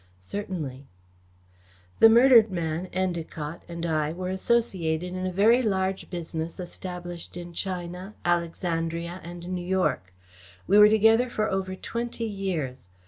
"Certainly." "The murdered man, Endacott, and I were associated in a very large business established in China, Alexandria and New York. We were together for over twenty years.